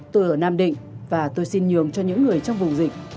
tôi ở nam định và tôi xin nhường cho những người trong vùng dịch